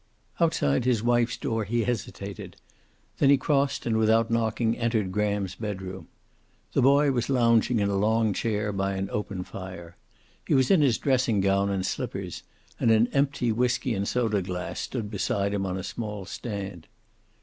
Outside his wife's door he hesitated. Then he crossed and without knocking entered Graham's bedroom. The boy was lounging in a long chair by an open fire. He was in his dressing gown and slippers, and an empty whiskey and soda glass stood beside him on a small stand.